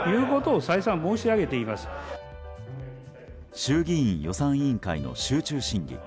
衆議院予算委員会の集中審議。